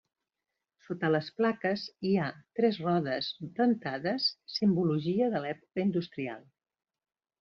Sota les plaques hi ha tres rodes dentades, simbologia de l'època industrial.